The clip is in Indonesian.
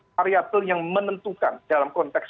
variabel yang menentukan dalam konteks